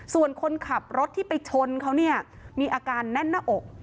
ส่วนคนขับรถที่ไปชนเขาเนี่ยมีอาการแน่นหน้าอก